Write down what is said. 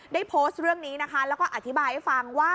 โพสต์เรื่องนี้นะคะแล้วก็อธิบายให้ฟังว่า